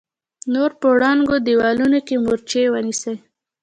نور په ړنګو دېوالونو کې مورچې ونيسئ!